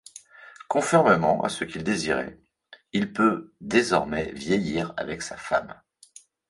Conformément à ce qu'il désirait, il peut désormais vieillir avec sa femme.